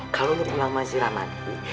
kalau lu pulang masih ramadi